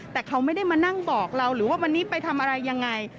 แต่เขาไม่ได้มานั่งบอกเราหรือว่าวันนี้ไปทำอะไรยังไง